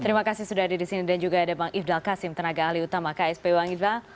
terima kasih sudah ada di sini dan juga ada bang ifdal kasim tenaga ahli utama ksp wangidra